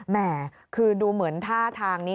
แม่คือดูเหมือนท่าทางนี้